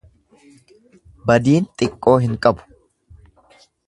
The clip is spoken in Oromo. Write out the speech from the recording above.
Badiin xiqqoo hin qabu.